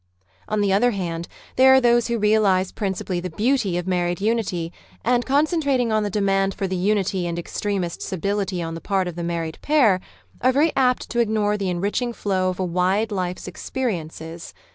On the other hand there are those who realise prin cipally the beauty of married unity, and, concentrat ing on the demand for the unity and extremest stability on 'the part of the married pair, are very apt Society '°* to ignore the enriching flow of a wide Hfe's experi ences.